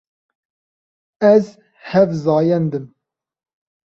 Ez hevzayend im.